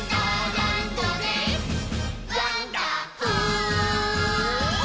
らんどでワンダホー！」